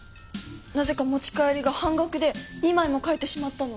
なぜか持ち帰りが半額で２枚も買えてしまったの。